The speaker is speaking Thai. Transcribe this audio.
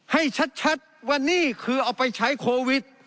ให้ชัดว่านี่คือเอาไปใช้โควิด